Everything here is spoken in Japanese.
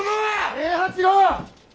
平八郎！